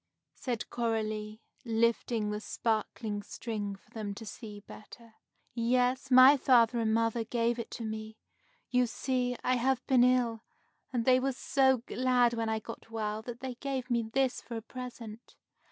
said Coralie, lifting the sparkling string for them to see better. "Yes, my father and mother gave it to me. You see, I have been ill, and they were so glad when I got well that they gave me this for a present."